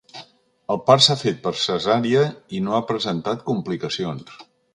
El part s’ha fet per cesària i no ha presentat complicacions.